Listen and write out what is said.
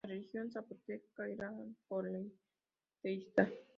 La religión zapoteca era politeísta.